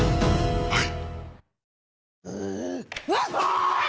はい。